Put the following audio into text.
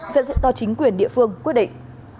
sẽ diễn tỏ chính quyền địa phương quyết định